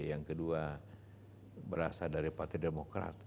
yang kedua berasal dari partai demokrat